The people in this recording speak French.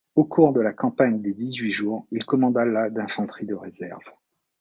Au cours de la Campagne des Dix-huit Jours il commanda la d'infanterie de réserve.